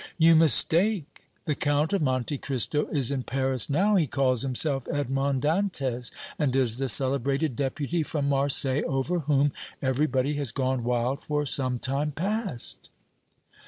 "You mistake; the Count of Monte Cristo is in Paris now; he calls himself Edmond Dantès and is the celebrated Deputy from Marseilles over whom everybody has gone wild for some time past."